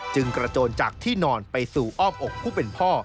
กระโจนจากที่นอนไปสู่อ้อมอกผู้เป็นพ่อ